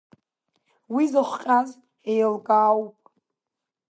Уи зыхҟьаз еилкаауп…